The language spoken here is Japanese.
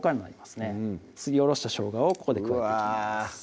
すりおろしたしょうがをここで加えていきます